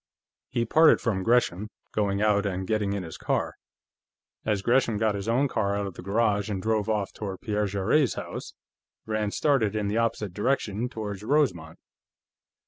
He parted from Gresham, going out and getting in his car. As Gresham got his own car out of the garage and drove off toward Pierre Jarrett's house, Rand started in the opposite direction, toward Rosemont.